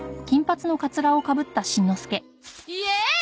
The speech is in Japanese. イエイ！